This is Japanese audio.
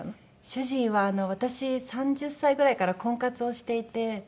主人は私３０歳ぐらいから婚活をしていて。